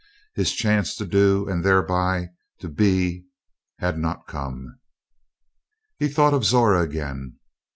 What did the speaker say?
His chance to do and thereby to be had not come. He thought of Zora again.